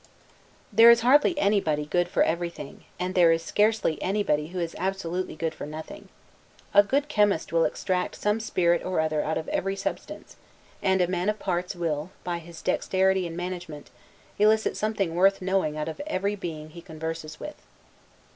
There is hardly any body good for every thing, and there is scarcely any body who is absolutely good for nothing. A good chemist will extract some spirit or other out of every substance; and a man of parts will, by his dexterity and management, elicit something worth knowing out of every being he converses with.